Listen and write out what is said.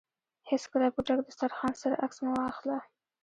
هېڅکله په ډک دوسترخان سره عکس مه اخله.